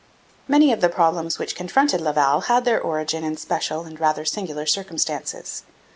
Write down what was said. Many of the problems which confronted Laval had their origin in special and rather singular circumstances.